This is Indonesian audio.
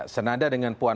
senada dengan puan